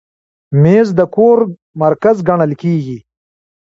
مېز د کور مرکز ګڼل کېږي.